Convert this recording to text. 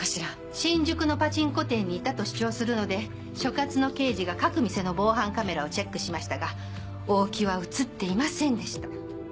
新宿のパチンコ店にいたと主張するので所轄の刑事が各店の防犯カメラをチェックしましたが大木は映っていませんでした。